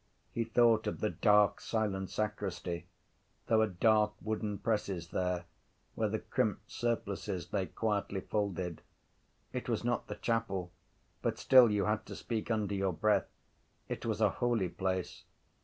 He thought of the dark silent sacristy. There were dark wooden presses there where the crimped surplices lay quietly folded. It was not the chapel but still you had to speak under your breath. It was a holy place.